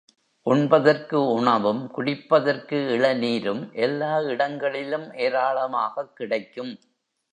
உண்பதற்கு உணவும், குடிப்பதற்கு இளநீரும் எல்லா இடங்களிலும் ஏராளமாகக் கிடைக்கும்.